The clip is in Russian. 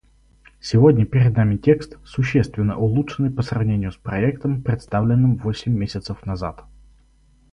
Сегодня перед нами текст, существенно улучшенный по сравнению с проектом, представленным восемь месяцев назад.